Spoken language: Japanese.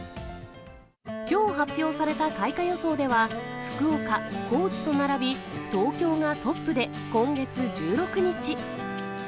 きょう発表された開花予想では、福岡、高知と並び、東京がトップで今月１６日。